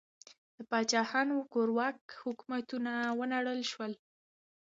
د پاچاهانو کورواک حکومتونه ونړول شول.